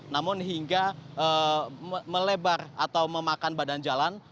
namun hingga melebar atau memakan badan jalan